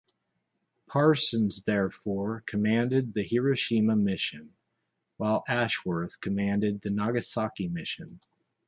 Parsons therefore commanded the Hiroshima mission, while Ashworth commanded the Nagasaki mission.